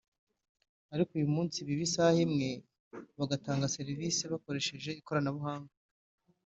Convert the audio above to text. ariko uyu munsi biha isaha imwe bagatanga serivisi bakoresheje ikoranabuhanga